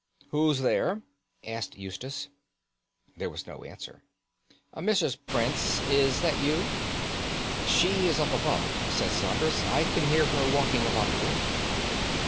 "Who's there?" asked Eustace. There was no answer. "Mrs. Prince, is that you?" "She is up above," said Saunders; "I can hear her walking about the room."